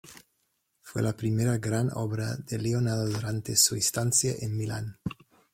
Fue la primera gran obra de Leonardo durante su estancia en Milán.